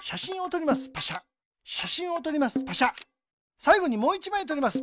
さいごにもう１まいとります。